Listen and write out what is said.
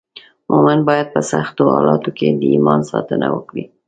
مومن باید په سختو حالاتو کې د ایمان ساتنه وکړي.